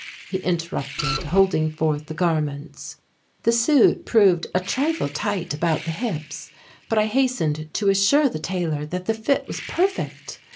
he interrupted, holding forth the garments. The suit proved a trifle tight about the hips, but I hastened to assure the tailor that the fit was perfect.